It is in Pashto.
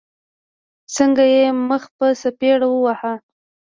څنګه يې مخ په څپېړو واهه.